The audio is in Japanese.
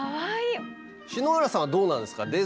篠原さんはどうなんですか？